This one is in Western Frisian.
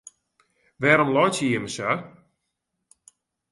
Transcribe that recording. Wêrom laitsje jimme sa?